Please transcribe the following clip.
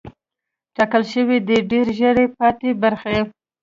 ټاکل شوې ده ډېر ژر یې پاتې برخې